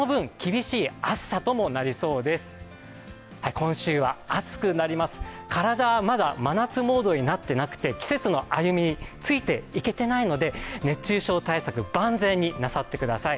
今週は暑くなります、はまだ真夏モードになっていなくて季節の歩み、ついていけていないので、熱中症対策、万全になさってください。